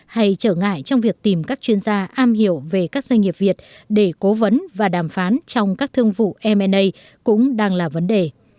hay trở ngại trong việc tìm các chuyên gia am hiểu về các doanh nghiệp việt để cố vấn và đàm phán trong các thương vụ mna cũng đang là vấn đề